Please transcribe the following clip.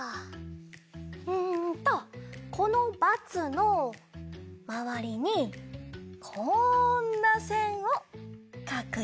んとこのバツのまわりにこんなせんをかくよ！